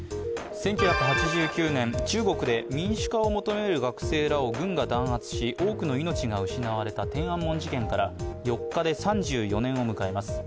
１９８９年、中国で民主化を求める学生らを軍が弾圧し、多くの命が失われた天安門事件から４日で３４年を迎えます。